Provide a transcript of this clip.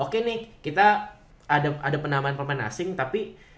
oke nih kita ada penambahan pemain asing tapi